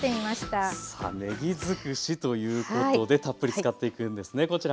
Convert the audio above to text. さあねぎづくしということでたっぷり使っていくんですねこちら。